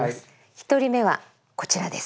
１人目はこちらです。